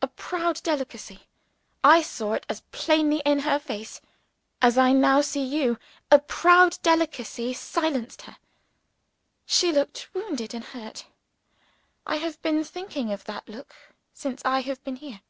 A proud delicacy I saw it as plainly in her face, as I now see you a proud delicacy silenced her; she looked wounded and hurt. I have been thinking of that look, since I have been here.